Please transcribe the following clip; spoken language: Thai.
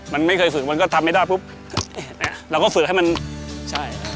มันไม่เคยฝึกมันก็ทำไม่ได้ปุ๊บเห็นไหมเราก็ฝึกให้มันใช่